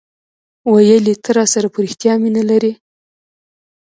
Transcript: ویل یي ته راسره په ریښتیا مینه لرې